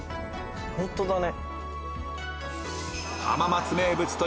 ホントだね。